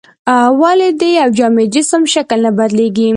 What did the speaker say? ولې د یو جامد جسم شکل نه بدلیږي؟